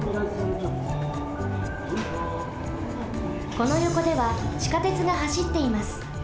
このよこではちかてつがはしっています。